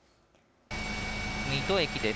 水戸駅です。